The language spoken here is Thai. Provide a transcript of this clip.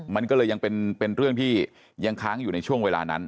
มันก็เลยยังเป็นเรื่องที่ยังค้างอยู่ในช่วงเวลานั้น